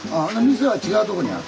店は違うとこにある？